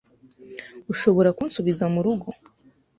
Ushobora kunsubiza mu rugo?